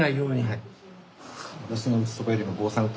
はい。